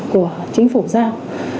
của chính phủ giao